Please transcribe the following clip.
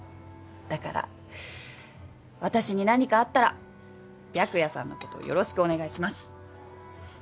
だから私に何かあったら白夜さんのことよろしくお願いします。